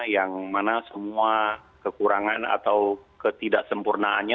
yang mana semua kekurangan atau ketidaksempurnaannya